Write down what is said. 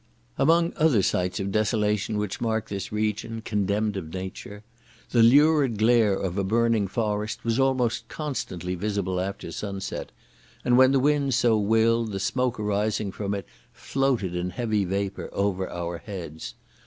Among other sights of desolation which mark this region, condemned of nature, the lurid glare of a burning forest was almost constantly visible after sunset, and when the wind so willed, the smoke arising from it floated in heavy vapour over our heads.